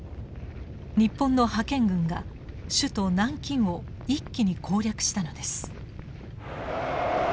日本の派遣軍が首都南京を一気に攻略したのです。